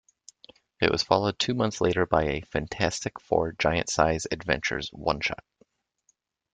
It was followed two months later by a "Fantastic Four Giant-Size Adventures" one-shot.